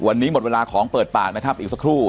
วันนี้หมดเวลาของเปิดปากนะครับอีกสักครู่